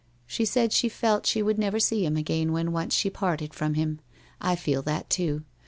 She said she felt she would never see him again when once she parted from him. I feel that, too.